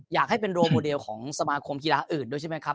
แล้วก็ดูโมเดลของสมาคมกีฬาอื่นด้วยใช่ไหมครับ